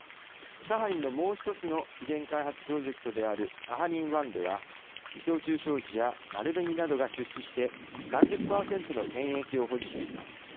サハリンのもう一つの資源開発プロジェクトであるサハリン１では伊藤忠商事や丸紅などが出資して３０％の権益を保持しています。